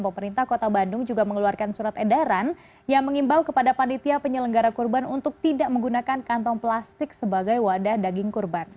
pemerintah kota bandung juga mengeluarkan surat edaran yang mengimbau kepada panitia penyelenggara kurban untuk tidak menggunakan kantong plastik sebagai wadah daging kurban